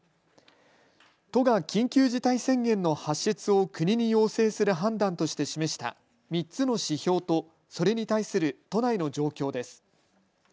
都が緊急事態宣言の発出を国に要請する判断として示した３つの指標とそれに対する都内の状況です。